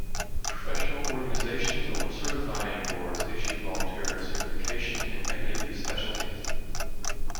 Professional organizations or certifying boards issue voluntary certification in many of these specialties.